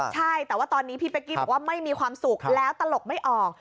ใช่แต่ว่าตอนนี้พี่เป๊กกี้บอกว่าไม่มีความสุขแล้วตลกไม่ออก